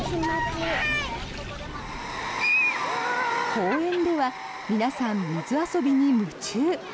公園では皆さん水遊びに夢中。